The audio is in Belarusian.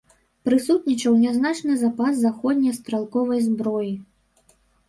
Прысутнічаў нязначны запас заходняй стралковай зброі.